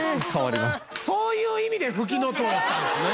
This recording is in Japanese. そういう意味でフキノトウなんですね。